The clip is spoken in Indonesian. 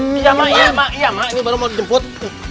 iya mak ini baru mau dijemput